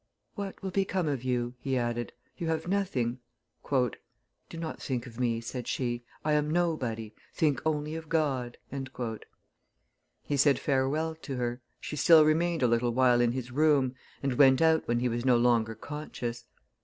"What will become of you?" he added; "you have nothing." "Do not think of me," said she; "I am nobody; think only of God." He said farewell to her; she still remained a little while in his room, and went out when he was no longer conscious.